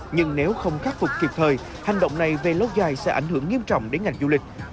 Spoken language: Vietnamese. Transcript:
nhưng nếu không khắc phục kịp thời hành động này về lâu dài sẽ ảnh hưởng nghiêm trọng đến ngành du lịch